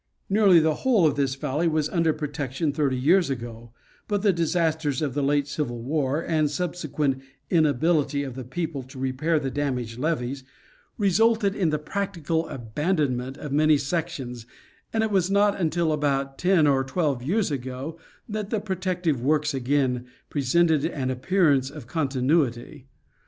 Nearly the whole of this valley was under protection thirty _ years ago, but the disasters of the late civil war, and subsequent inability of the people to repair the damaged levees, resulted in the practical abandonment of many sections, and it was not until about ten or twelve years ago that the protective works again presented an appearance of continuity.